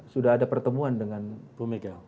sudah ada pertemuan dengan bumega